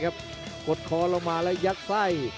กดคอลงมาแล้วยัดไส้